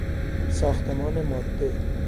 ساختمان ماده